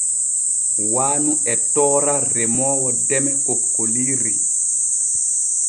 Waanu e toora remoowo deme kokkoliiri.